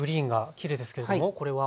きれいですけれどもこれは？